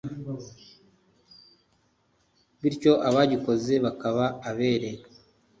bityo abagikoze bakaba abere